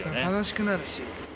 楽しくなるし。